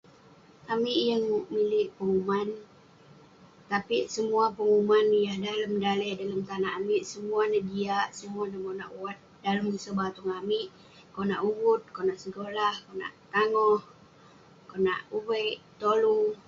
Amik yeng milik penguman. Tapik semuah penguman yah dalem daleh, dalem tanak amik, semuah neh jiak, semuah neh monak wat dalem use batung amik. Konak uvut, konak segolah, konak tangoh, konak uveik, betolu.